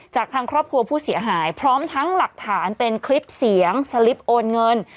จากทางครอบครัวผู้เสียหายพร้อมทั้งหลักฐานเป็นคลิปเสียงสลิปโอนเงิน